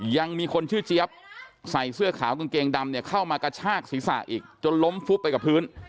ยังมีคนชื่อเจี๊ยบใส่เสื้อขาวกางเกงดำเนี่ยเข้ามากระชากศีรษะอีกจนล้มฟุบไปกับพื้น